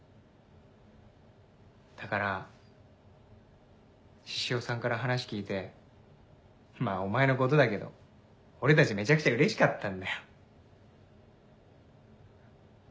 だから獅子王さんから話聞いてまぁお前のことだけど俺たちめちゃくちゃうれしかったんだよ。